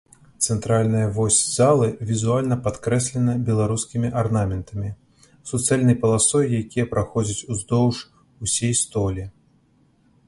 Цэнтральная вось залы візуальна падкрэслена беларускімі арнаментамі, суцэльнай паласой якія праходзяць уздоўж усей столі.